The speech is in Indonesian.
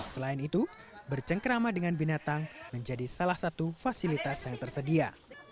selain itu bercengkerama dengan binatang menjadi salah satu fasilitas yang tersedia